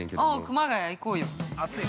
◆熊谷、行こうよ。